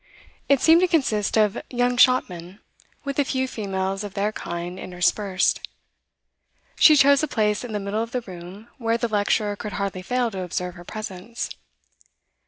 It seemed to consist of young shopmen, with a few females of their kind interspersed. She chose a place in the middle of the room, where the lecturer could hardly fail to observe her presence.